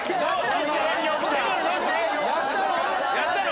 やったの？